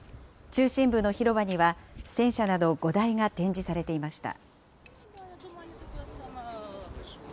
中心部の広場には、戦車など５台が展示されていました。